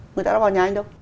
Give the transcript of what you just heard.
người ta đã vào nhà anh đâu